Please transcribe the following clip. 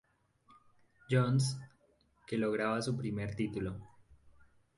John's, que lograba su primer título.